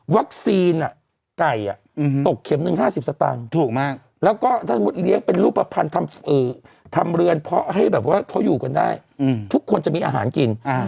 วัคซีนไก่อืมตกเข็ม๑๕๐กิโลเตรมถูกมากแล้วก็ถ้าสมมุติเลี้ยงไปรูปภัณฑ์ทำเออทำเรือนเพราะให้แบบว่าเขาอยู่กันได้อืมทุกคนจะมีอาหารกินอ่า